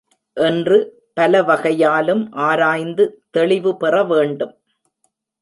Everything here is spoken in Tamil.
என்று பலவகையாலும் ஆராய்ந்து தெளிவு பெறவேண்டும்.